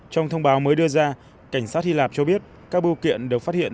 trong thông báo mới đưa ra cảnh sát hy lạp cho biết các bưu kiện được phát hiện